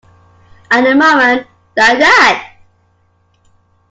At a moment like that?